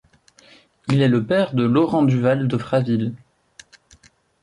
Il est le père de Laurent Duval de Fraville.